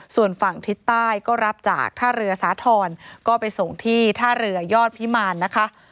ส่วนฝั่งทิศใต้ก็รับจากท่าเรือสาธรณ์ก็ไปส่งที่ท่าเรือยอดพิมารนะคะ